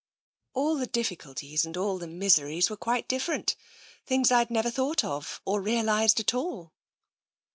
" All the difficulties and all the miseries were quite different. Things I'd never thought of, or realised at all